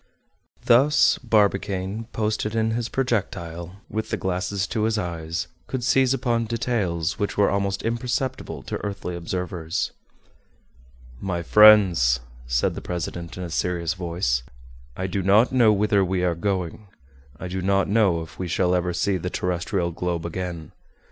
Thus Barbicane, posted in his projectile, with the glasses to his eyes, could seize upon details which were almost imperceptible to earthly observers. "My friends," said the president, in a serious voice, "I do not know whither we are going; I do not know if we shall ever see the terrestrial globe again.